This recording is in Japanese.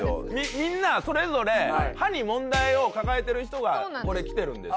みんなそれぞれ歯に問題を抱えてる人がそうなんです